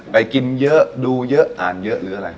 ไปกินเยอะดูเยอะอ่านเยอะหรืออะไร